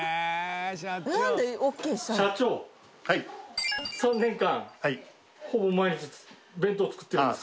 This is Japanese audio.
社長３年間ほぼ毎日弁当作ってるんですか？